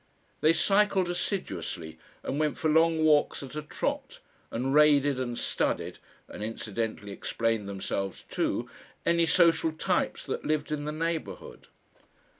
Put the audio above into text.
They cycled assiduously and went for long walks at a trot, and raided and studied (and incidentally explained themselves to) any social "types" that lived in the neighbourhood.